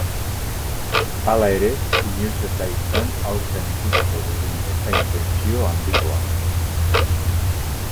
Hala ere, inoiz ez da izan aurten ikusiko dugun bezain tentsio handikoa.